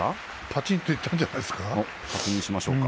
パチンといったんじゃないかな。